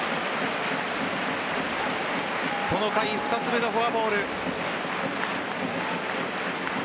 この回２つ目のフォアボール。